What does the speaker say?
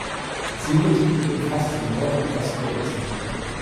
Ihr Siedlungsgebiet umfasst den Norden und Osten der Insel.